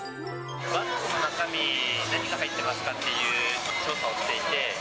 バッグの中身、何が入ってますかという調査を行っていて。